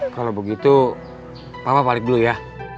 kalau begitu papa balik dulu ya